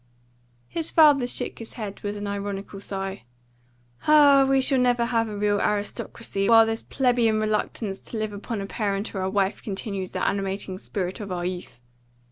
His father shook his head with an ironical sigh. "Ah, we shall never have a real aristocracy while this plebeian reluctance to live upon a parent or a wife continues the animating spirit of our youth.